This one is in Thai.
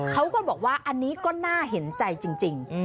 เขาก็บอกว่าอันนี้ก็น่าเห็นใจจริง